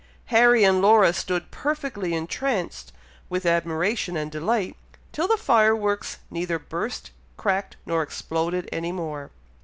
Harry and Laura stood perfectly entranced with admiration and delight, till the fire works neither burst, cracked, nor exploded any more.